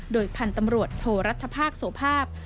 โดยพันธุ์ตำรวจโทรรัฐภาคโสภาพ